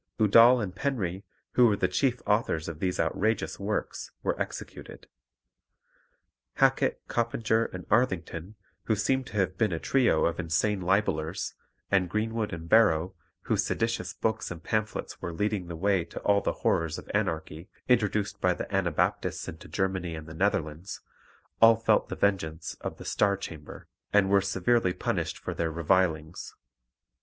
Udal and Penry, who were the chief authors of these outrageous works, were executed. Hacket, Coppinger, and Arthington, who seem to have been a trio of insane libellers, and Greenwood and Barrow, whose seditious books and pamphlets were leading the way to all the horrors of anarchy introduced by the Anabaptists into Germany and the Netherlands, all felt the vengeance of the Star Chamber, and were severely punished for their revilings.